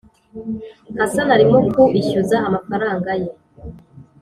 Hasani arimo ku ishyuza amafaranga ye